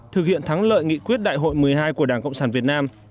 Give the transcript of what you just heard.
thực hiện thắng lợi nghị quyết đại hội một mươi hai của đảng cộng sản việt nam